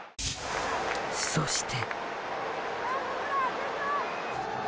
そして。